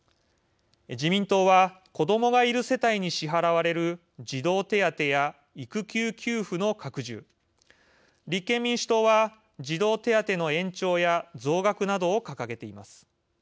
自民党は子どもがいる世帯に支払われる児童手当や育休給付の拡充立憲民主党は児童手当の延長や増額などを掲げています。